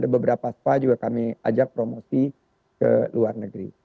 beberapa spa juga kami ajak promosi ke luar negeri